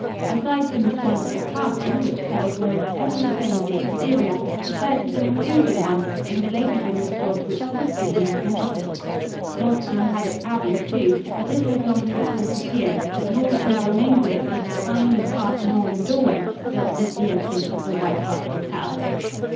Aside from this wonderful carving, which covers almost every stone of the exterior, the church is an imposing one and has lately been restored to its pristine magnificence. Launceston had its abbey, too, but this has long since disappeared, and all that now remains of it is the finely carved Norman doorway built into the entrance of the White Hart Hotel.